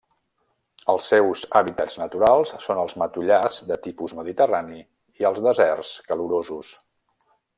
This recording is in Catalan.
Els seus hàbitats naturals són els matollars de tipus mediterrani i els deserts calorosos.